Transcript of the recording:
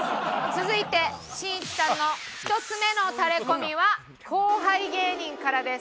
続いてしんいちさんの１つ目のタレコミは後輩芸人からです。